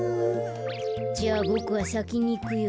じゃあボクはさきにいくよ。